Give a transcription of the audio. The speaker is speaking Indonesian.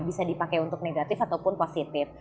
bisa dipakai untuk negatif ataupun positif